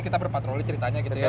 kita berpatroli ceritanya gitu ya